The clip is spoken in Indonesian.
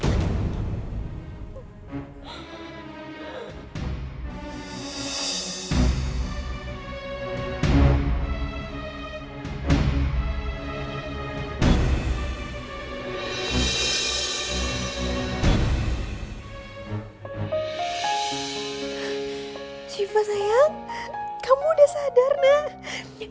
kita jangan dia mati